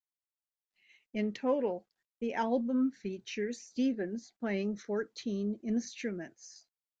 In total the album features Stevens playing fourteen instruments.